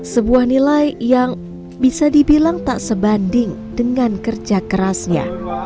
sebuah nilai yang bisa dibilang tak sebanding dengan kerja kerasnya